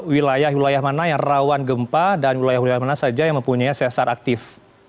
wilayah wilayah mana yang rawan gempa dan wilayah wilayah mana saja yang mempunyai sesar aktif